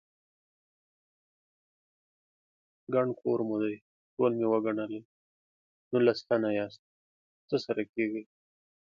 _ګڼ کور مو دی، ټول مې وګڼل، نولس تنه ياست، څه سره کېږئ؟